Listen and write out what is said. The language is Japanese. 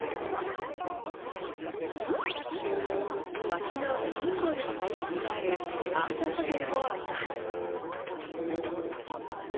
町のシンボルになりつつあるアートホテルもあります。